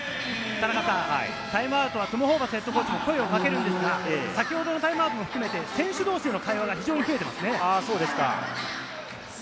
タイムアウトはトム・ホーバスＨＣが声をかけるんですが、先ほどのタイムアウトも含めて、選手同士での会話が非常に増えています。